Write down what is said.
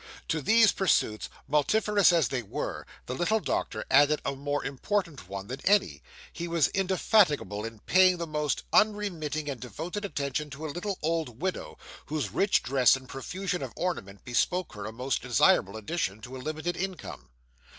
To these pursuits, multifarious as they were, the little doctor added a more important one than any he was indefatigable in paying the most unremitting and devoted attention to a little old widow, whose rich dress and profusion of ornament bespoke her a most desirable addition to a limited income.